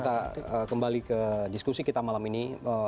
kita kembali ke diskusi kita malam ini